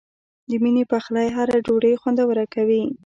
د مینې پخلی هره ډوډۍ خوندوره کوي.